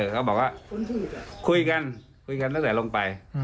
เขาบอกว่าคุยกันคุยกันตั้งแต่ลงไป